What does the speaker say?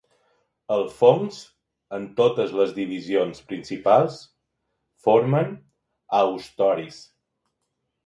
Els fongs, en totes les divisions principals, formen haustoris.